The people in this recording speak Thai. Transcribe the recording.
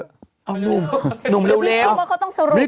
เอานุ่ม